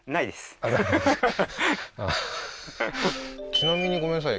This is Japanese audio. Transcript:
ちなみにごめんなさい